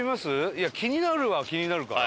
いや気になるは気になるから。